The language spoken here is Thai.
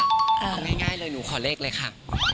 เอาง่ายเลยหนูขอเลขเลยค่ะ